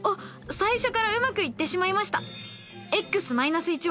最初からうまくいってしまいました。